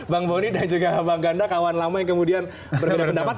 bang boni dan juga bang ganda kawan lama yang kemudian berbeda pendapat